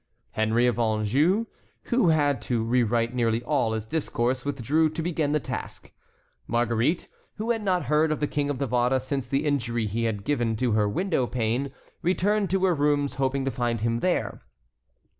Henry of Anjou, who had to rewrite nearly all his discourse, withdrew to begin the task. Marguerite, who had not heard of the King of Navarre since the injury he had given to her window pane, returned to her rooms, hoping to find him there.